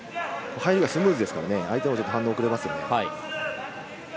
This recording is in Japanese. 入りがスムーズですから相手も反応が遅れますよね。